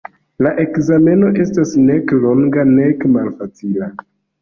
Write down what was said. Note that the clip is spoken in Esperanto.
La ekzameno estis nek longa, nek malfacila.